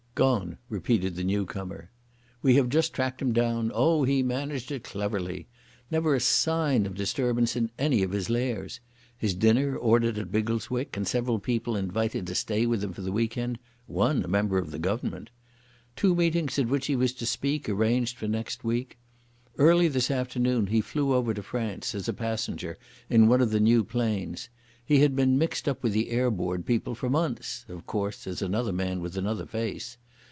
"Gone," repeated the newcomer. "We have just tracked him down. Oh, he managed it cleverly. Never a sign of disturbance in any of his lairs. His dinner ordered at Biggleswick and several people invited to stay with him for the weekend—one a member of the Government. Two meetings at which he was to speak arranged for next week. Early this afternoon he flew over to France as a passenger in one of the new planes. He had been mixed up with the Air Board people for months—of course as another man with another face.